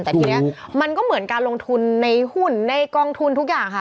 แต่ทีนี้มันก็เหมือนการลงทุนในหุ้นในกองทุนทุกอย่างค่ะ